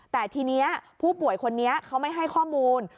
แต่ทีนี้ผู้ป่วยคนนี้เขาไม่ให้ข้อมูล